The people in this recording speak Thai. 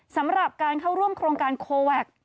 สำหรับการเข้าร่วมโครงการโคแวค